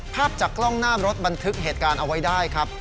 ภาพจากกล้องหน้ารถบันทึกเหตุการณ์เอาไว้ได้ครับ